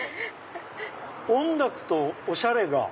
音楽とおしゃれが。